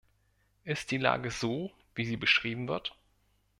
Ist die Lage so, wie sie beschrieben wird?